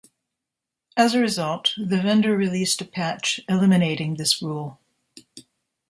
As a result, the vendor released a patch eliminating this rule.